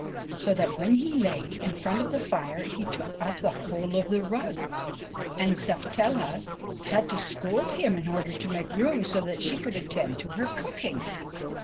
so that when he lay in front of the fire he took up the whole of the rug, and Sapatella had to scold him in order to make room so that she could attend to her cooking.